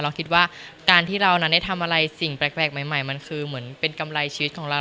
เราคิดว่าการที่เรานั้นได้ทำอะไรสิ่งแปลกใหม่มันคือเหมือนเป็นกำไรชีวิตของเรา